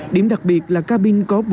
điểm đặc biệt là cabin có bốn bánh xe